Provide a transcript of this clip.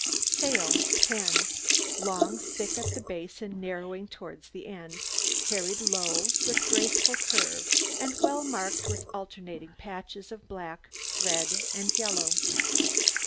TAIL 10 Long, thick at the base and narrowing towards the end, carried low, with graceful curve, and well marked with alternate patches of black, red, and yellow.